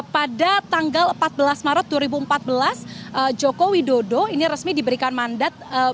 pada tanggal empat belas maret dua ribu empat belas joko widodo ini resmi diberikan mandat